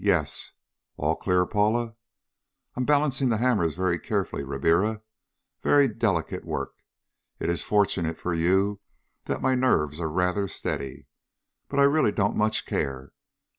Yes! All clear, Paula? I'm balancing the hammers very carefully, Ribiera. Very delicate work. It is fortunate for you that my nerves are rather steady. But really, I don't much care....